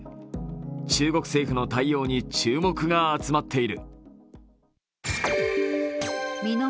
中国政府の対応に注目が集まっている。